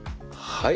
はい。